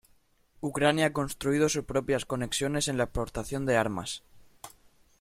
Ucrania ha construido sus propias conexiones en la exportación de armas.